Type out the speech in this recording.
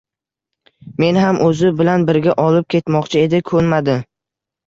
Meni ham oʻzi bilan birga olib ketmoqchi edi, koʻnmadim